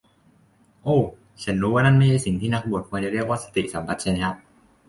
โอ้ ฉันรู้ว่านั่นไม่ใช่สิ่งที่นักบวชควรจะเรียกว่าสติสัมปชัญญะ